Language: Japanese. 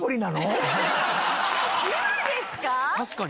今ですか！？